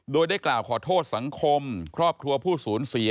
โดยได้กล่าวขอโทษสังคมครอบครัวผู้สูญเสีย